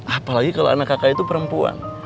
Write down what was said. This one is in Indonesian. apalagi kalau anak kakak itu perempuan